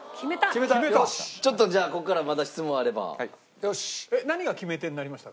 ちょっとじゃあここからまだ質問あれば。